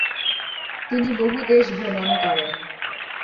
তিনি বহু দেশ ভ্রমণ করেন।